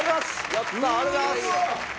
やったありがとうございます！